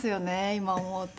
今思うと。